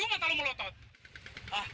pesat semua moodnya